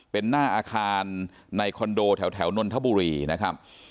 เป็นหน้าอาคารในคอนโดแถวนนทบุรีนะครับ